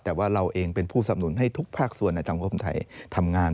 แต่ว่าเราเองเป็นผู้สำนุนให้ทุกภาคส่วนในสังคมไทยทำงาน